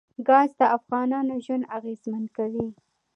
ګاز د افغانانو ژوند اغېزمن کوي.